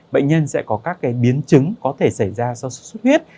bệnh nhân sẽ có các biến chứng có thể xảy ra sau xuất xuất huyết